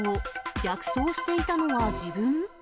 逆走していたのは自分？